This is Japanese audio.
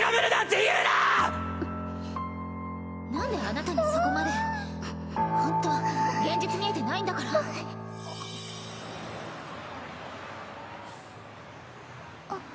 なんであなたにそこまでほんと現実見えてないんだからあっんっ。